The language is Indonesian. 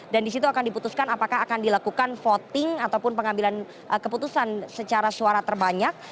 disitu akan diputuskan apakah akan dilakukan voting ataupun pengambilan keputusan secara suara terbanyak